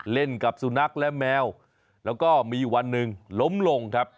เล่นกับสุนัขและแมวแล้วก็มีวันหนึ่งล้มลงครับ